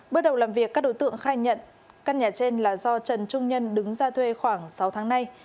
bước đầu làm việc các đối tượng khai nhận căn nhà trên là do trần trung nhân đứng ra thuê khoảng sáu tháng nay